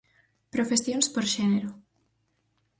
Profesións por xénero.